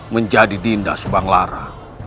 menjadi dinda subang lara